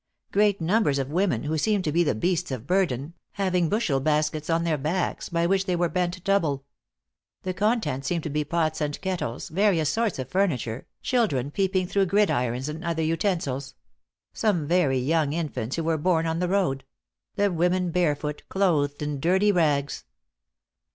Great numbers of women, who seemed to be the beasts of burden, having bushel baskets on their backs, by which they were bent double. The contents seemed to be pots and kettles, various sorts of furniture, children peeping through gridirons and other utensils some very young infants, who were born on the road the women barefoot, clothed in dirty rags.